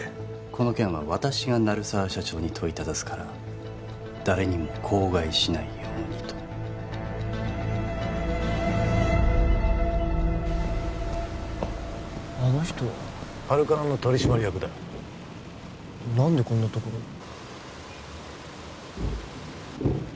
この件は私が鳴沢社長に問いただすから誰にも口外しないようにとあの人ハルカナの取締役だ何でこんなところに？